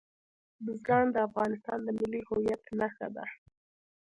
بزګان د افغانستان د ملي هویت نښه ده.